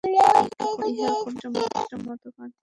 ইহার কোন নির্দিষ্ট মতবাদ নাই।